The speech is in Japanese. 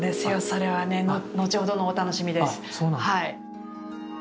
それはね後ほどのお楽しみです。